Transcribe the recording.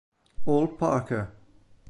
Ol Parker